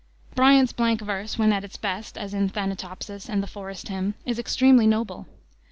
Bryant's blank verse when at its best, as in Thanatopsis and the Forest Hymn, is extremely noble.